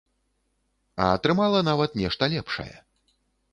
А атрымала нават нешта лепшае.